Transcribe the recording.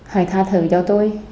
hãy tha thở cho tôi